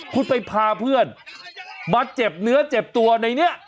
คุณไปพาเพื่อนมาเจ็บเนื้อเจ็บตัวในนี้